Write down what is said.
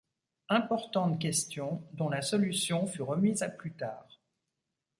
Importante question, dont la solution fut remise à plus tard.